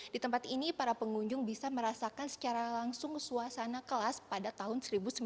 di tempat ini para pengunjung bisa merasakan secara langsung suasana kelas pada tahun seribu sembilan ratus sembilan puluh